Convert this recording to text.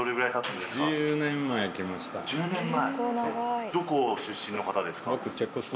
１０年前？